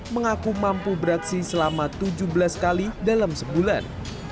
mengaku mampu beraksi selama tujuh belas kali dalam sebulan